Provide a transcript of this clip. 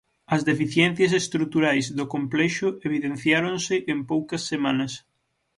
As deficiencias estruturais do complexo evidenciáronse en poucas semanas.